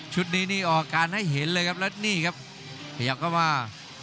นี้นี่ออกการให้เห็นเลยครับแล้วนี่ครับขยับเข้ามา